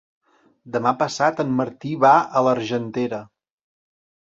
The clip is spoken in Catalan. Demà passat en Martí va a l'Argentera.